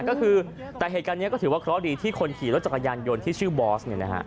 ก็คือแต่เหตุการณ์นี้ก็ถือว่าเคราะห์ดีที่คนขี่รถจักรยานยนต์ที่ชื่อบอสเนี่ยนะฮะ